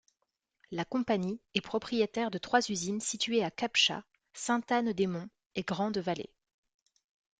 La compagnie est propriétaire de trois usines situées à Cap-Chat, Sainte-Anne-des-Monts et Grande-Vallée.